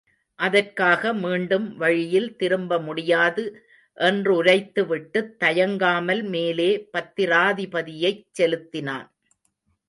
அதற்காக மீண்டும் வழியில் திரும்ப முடியாது என்றுரைத்துவிட்டுத் தயங்காமல் மேலே பத்திராபதியைச் செலுத்தினான்.